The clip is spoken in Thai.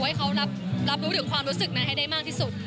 ให้เขารับรู้ถึงความรู้สึกนั้นให้ได้มากที่สุด